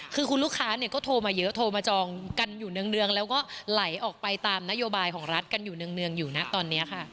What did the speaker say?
คือคุณลูกค้าเนี่ยก็โทรมาเยอะโทรมาจองกันอยู่เนื่องแล้วก็ไหลออกไปตามนโยบายของรัฐกันอยู่เนื่องอยู่นะตอนนี้ค่ะ